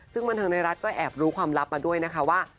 ซึ่งบันเทิงไทยรัฐก็แอบรู้ความลับมาด้วยนะคะว่า